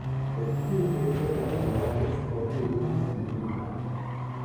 Cette cruauté présente dans l'armée s'étendit au domicile des paysans.